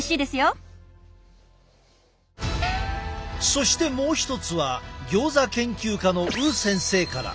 そしてもう一つはギョーザ研究家の于先生から。